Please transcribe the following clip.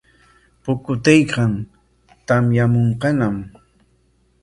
Pukutaykan, tamyamunqañam.